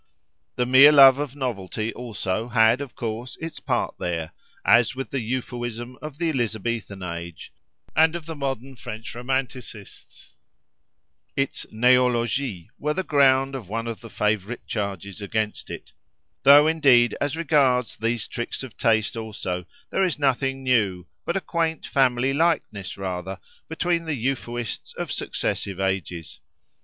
The mere love of novelty also had, of course, its part there: as with the Euphuism of the Elizabethan age, and of the modern French romanticists, its neologies were the ground of one of the favourite charges against it; though indeed, as regards these tricks of taste also, there is nothing new, but a quaint family likeness rather, between the Euphuists of successive ages.